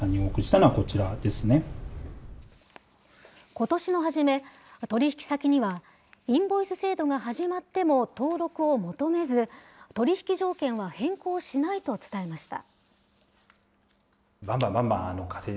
ことしの初め、取り引き先には、インボイス制度が始まっても登録を求めず、取り引き条件は変更しないと伝えました。